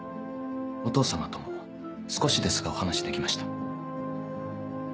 お父様とも少しですがお話しできました。